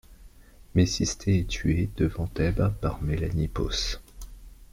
Mécistée est tué, devant Thèbes, par Mélanippos.